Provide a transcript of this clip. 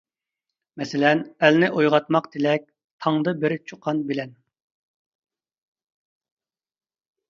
مەسىلەن: ئەلنى ئويغاتماق تىلەك، تاڭدا بىر چۇقان بىلەن.